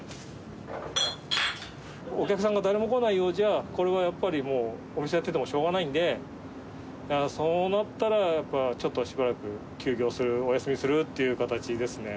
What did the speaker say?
お客さんが誰も来ないようじゃ、これはやっぱりもう、お店やっててもしょうがないんで、そうなったらやっぱ、ちょっとしばらく休業する、お休みするっていう形ですね。